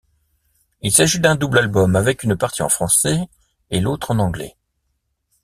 Il s'agit d'un double-album avec une partie en français et l'autre en anglais.